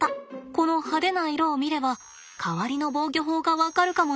この派手な色を見れば代わりの防御法が分かるかもね。